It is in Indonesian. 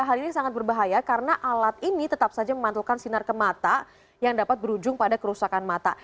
hal ini sangat berbahaya karena alat ini tetap saja memantulkan sinar ke mata yang dapat berujung pada kerusakan mata